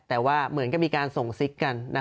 แต่ว่าเหมือนกับมีการส่งซิกกัน